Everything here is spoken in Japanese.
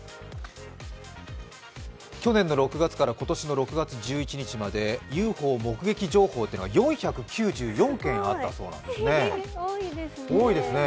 去年の６月から今年の６月１１日までＵＦＯ目撃情報が４９４件あったそうですね、すごいですね。